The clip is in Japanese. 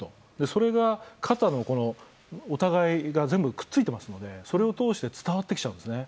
それが肩、お互いが全部くっ付いてますのでそれを通して伝わってきちゃうんですね。